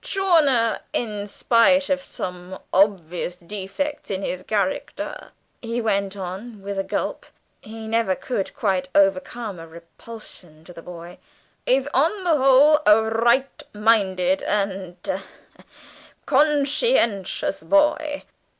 Chawner, in spite of some obvious defects in his character," he went on, with a gulp (he never could quite overcome a repulsion to the boy), "is, on the whole, a right minded and, ah, conscientious boy.